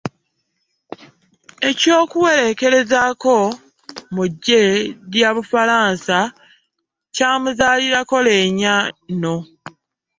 Eky’okuweerezaako mu ggye lya Bufalansa kyamuzaalirako leenya nno.